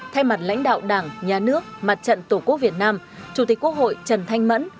thay mặt lãnh đạo đảng nhà nước mặt trận tổ quốc việt nam chủ tịch quốc hội trần thanh mẫn